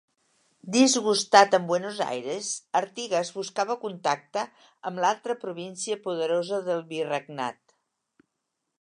Disgustat amb Buenos Aires, Artigas buscava contacte amb l'altra província poderosa del Virregnat.